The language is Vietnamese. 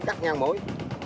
cắt ngang mũi